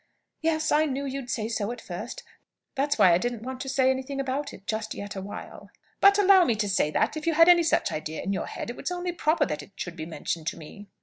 "Yes; I knew you'd say so at first. That's why I didn't want to say anything about it just yet awhile." "But allow me to say that, if you had any such idea in your head, it was only proper that it should be mentioned to me."